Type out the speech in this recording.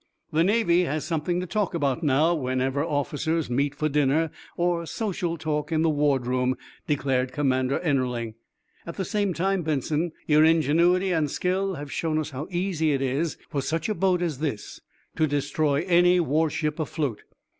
"The Navy has something to talk about, now, wherever officers meet for dinner, or social talk in the ward room," declared Commander Ennerling. "At the same time, Benson, your ingenuity and skill have shown us how easy it is for such a boat as this to destroy any warship afloat.